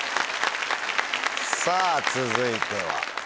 さぁ続いては。